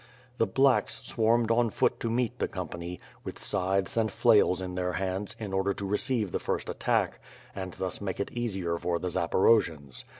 The "blacks" swarmed on foot to meet the company, with scythes and flails in their hands in order to receive the first attack, and thus make it easier for the Zaporojians.